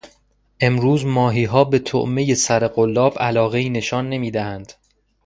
امروز ماهیها به طعمهی سرقلاب علاقهای نشان نمیدهند.